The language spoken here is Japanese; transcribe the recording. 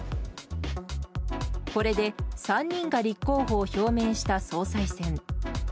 これで３人が立候補を表明した総裁選。